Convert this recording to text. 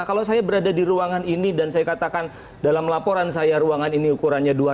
kalau saya berada di ruangan ini dan saya katakan dalam laporan saya ruangan ini ukurannya dua